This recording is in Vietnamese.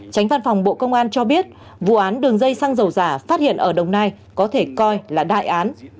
tránh văn phòng bộ công an cho biết vụ án đường dây xăng dầu giả phát hiện ở đồng nai có thể coi là đại án